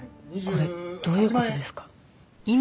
これどういう事ですか？